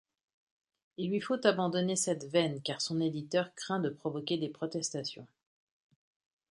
Il lui faut abandonner cette veine car son éditeur craint de provoquer des protestations.